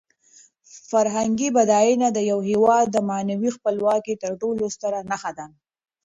فرهنګي بډاینه د یو هېواد د معنوي خپلواکۍ تر ټولو ستره نښه ده.